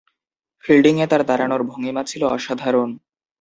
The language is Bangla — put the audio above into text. ফিল্ডিংয়ে তাঁর দাঁড়ানোর ভঙ্গীমা ছিল অসাধারণ।